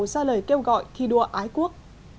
hồ xa lời kêu gọi thi đua ái quốc